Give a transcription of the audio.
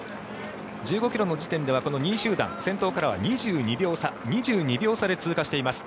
１５ｋｍの時点では２位集団、先頭からは２２秒差で通過しています。